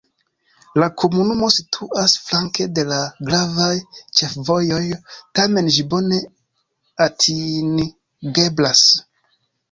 La komunumo situas flanke de la gravaj ĉefvojoj, tamen ĝi bone atingeblas.